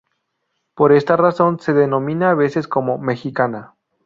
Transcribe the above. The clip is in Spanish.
Por esta razón se denomina a veces como: "Mexicana".